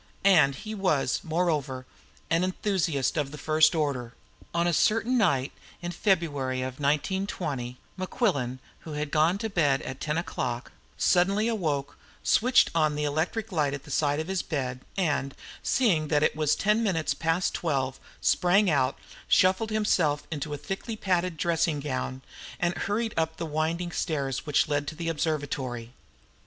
And he was, moreover, an enthusiast of the first order. On a certain night in the February of 19 , Mequillen, who had gone to bed at ten o'clock, suddenly awoke, switched on the electric light at the side of his bed, and, seeing that it was then ten minutes past twelve, sprang out, shuffled himself into his thickly padded dressing gown, and hurried up the winding stair which led to the observatory.